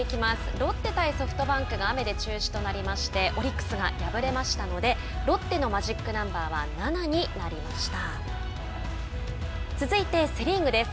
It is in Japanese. ロッテ対ソフトバンクが雨で中止となりましてオリックスが敗れましたのでロッテのマジックナンバーは続いてセ・リーグです。